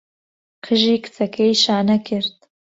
قژی کچەکەی شانە کرد.